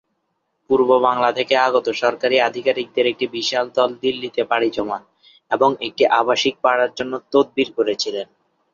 পূর্ববাংলা থেকে আগত সরকারী আধিকারিকদের একটি বিশাল দল দিল্লিতে পাড়ি জমান এবং একটি আবাসিক পাড়ার জন্য তদবির করেছিলেন।